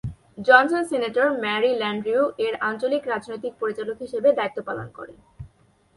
Johnson senator Mary Landrieu এর আঞ্চলিক রাজনৈতিক পরিচালক হিসেবে দায়িত্ব পালন করেন।